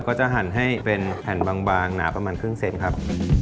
ก็จะหั่นให้เป็นแผ่นบางหนาประมาณครึ่งเซนครับ